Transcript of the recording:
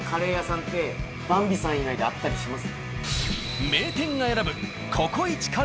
「ばんび」さん以外であったりします？